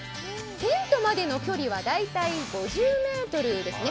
テントまでの距離は大体５０ｍですね。